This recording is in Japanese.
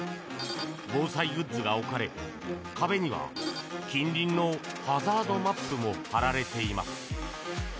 防災グッズが置かれ壁には近隣のハザードマップも貼られています。